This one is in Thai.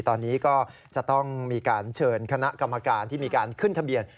ตอนนี้ก็จะต้องมีการเชิญคณะกรรมการที่มีการขึ้นทะเบียน